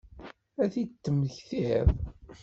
Ad t-id-temmektiḍ?